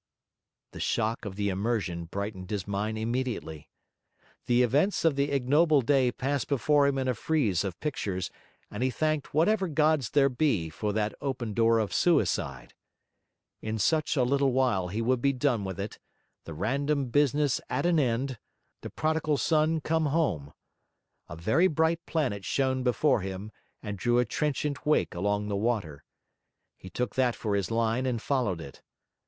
The shock of the immersion brightened his mind immediately. The events of the ignoble day passed before him in a frieze of pictures, and he thanked 'whatever Gods there be' for that open door of suicide. In such a little while he would be done with it, the random business at an end, the prodigal son come home. A very bright planet shone before him and drew a trenchant wake along the water. He took that for his line and followed it.